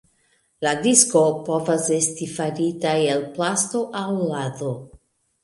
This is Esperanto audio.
La disko povas esti farita el plasto aŭ lado.